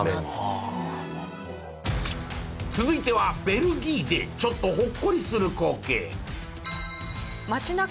続いてはベルギーでちょっとほっこりする光景。